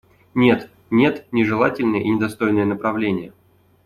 Нет, нет, нежелательное и недостойное направление…